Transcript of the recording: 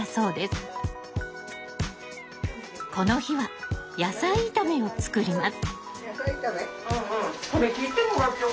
この日は野菜炒めを作ります。